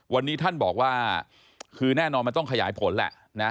วันนี้ท่านบอกว่าคือแน่นอนมันต้องขยายผลแหละนะ